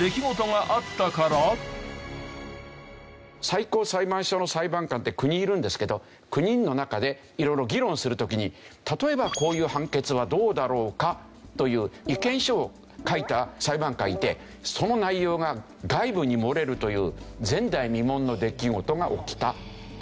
最高裁判所の裁判官って９人いるんですけど９人の中で色々議論する時に例えばこういう判決はどうだろうかという意見書を書いた裁判官がいてその内容が外部に漏れるという前代未聞の出来事が起きたという事なんですね。